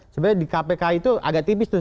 sebenarnya di kpk itu agak tipis tuh